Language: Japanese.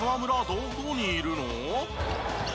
どこにいるの？